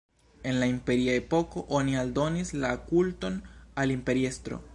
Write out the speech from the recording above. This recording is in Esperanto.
En la imperia epoko oni aldonis la kulton al imperiestro.